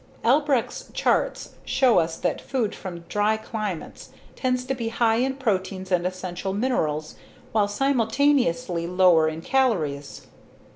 Albrecht's charts show us that food from dry climates tends to be high in proteins and essential minerals while simultaneously lower in calories.